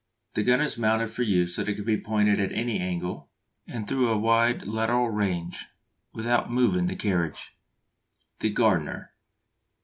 The gun is mounted for use so that it can be pointed at any angle, and through a wide lateral range, without moving the carriage. _The Gardner.